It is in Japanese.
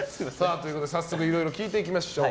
早速いろいろ聞いていきましょう。